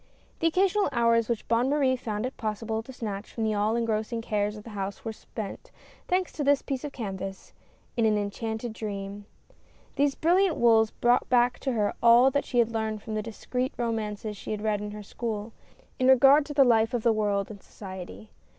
The occasional hours which Bonne Marie found it possible to snatch from the all engrossing cares of the house were spent — thanks to this piece of canvas — in an enchanted dream. These brilliant wools brought back to her all that she had learned from the discreet romances she had read in her school, in regard to the life of the world and DREAMS. 41 society.